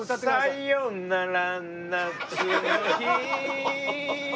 「さよなら夏の日」